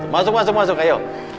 masuk masuk masuk ayo